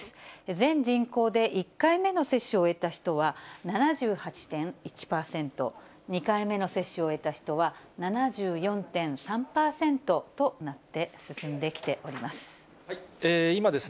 全人口で１回目の接種を終えた人は７８．１％、２回目の接種を終えた人は７４．３％となって進んできております。